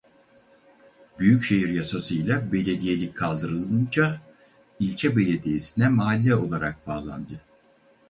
Büyükşehir yasasıyla belediyelik kaldırılınca ilçe belediyesine mahalle olarak bağlandı.